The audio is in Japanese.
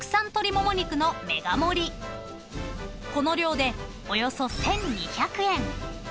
［この量でおよそ１，２００円］